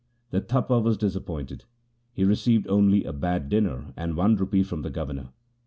The Tapa was disappointed. He received only a bad dinner and one rupee from the governor.